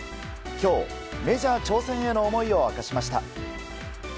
今日、メジャー挑戦への思いを明かしました。